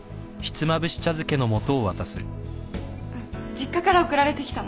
実家から送られてきたの。